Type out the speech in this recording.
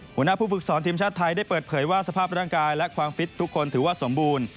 หัวหน้าผู้ฝึกสอนทีมชาติไทยได้เปิดเผยว่าสภาพร่างกายและความฟิตทุกคนถือว่าสมบูรณ์